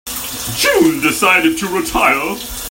June decided to retire.